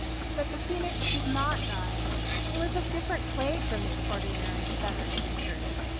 But the Phoenix did not die. He was of different clay from these ordinary feathered creatures.